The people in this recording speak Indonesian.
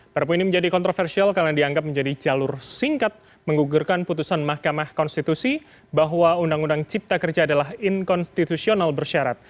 perpu ini menjadi kontroversial karena dianggap menjadi jalur singkat menggugurkan putusan mahkamah konstitusi bahwa undang undang cipta kerja adalah inkonstitusional bersyarat